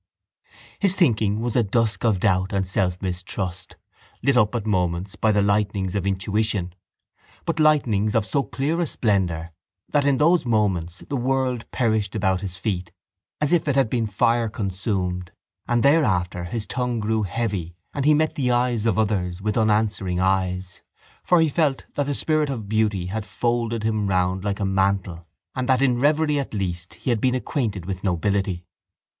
His thinking was a dusk of doubt and selfmistrust, lit up at moments by the lightnings of intuition, but lightnings of so clear a splendour that in those moments the world perished about his feet as if it had been fireconsumed; and thereafter his tongue grew heavy and he met the eyes of others with unanswering eyes, for he felt that the spirit of beauty had folded him round like a mantle and that in reverie at least he had been acquainted with nobility.